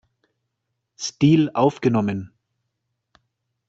Stil aufgenommen.